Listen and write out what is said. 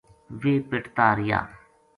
ویہ پِٹتا رہیا